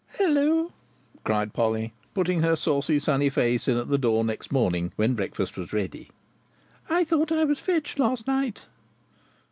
"Hallo!" cried Polly, putting her saucy sunny face in at the door next morning when breakfast was ready: "I thought I was fetched last night?"